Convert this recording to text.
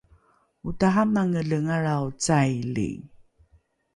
otaramangelengalrao caili